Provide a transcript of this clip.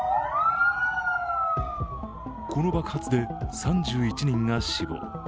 この爆発で、３１人が死亡。